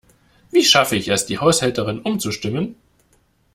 Wie schaffe ich es, die Haushälterin umzustimmen?